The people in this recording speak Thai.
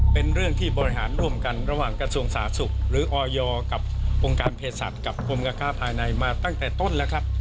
เป็นเรื่องที่บริหารร่วมกันระหว่างกระทรวงสาธารณสุขหรือออยกับองค์การเพศสัตว์กับกรมการค้าภายในมาตั้งแต่ต้นแล้วครับ